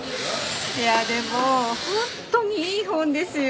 でも本当にいい本ですよ。